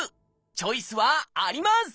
チョイスはあります！